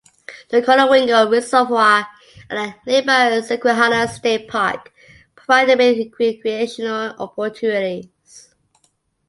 The Conowingo Reservoir, and the nearby Susquehanna State Park, provide many recreational opportunities.